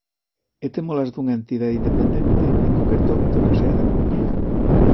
E témolas dunha entidade independente, en concreto, da Universidade da Coruña.